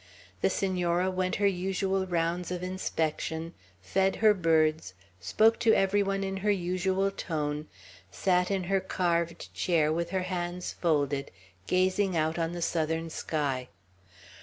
The Senora went her usual rounds of inspection, fed her birds, spoke to every one in her usual tone, sat in her carved chair with her hands folded, gazing out on the southern sky.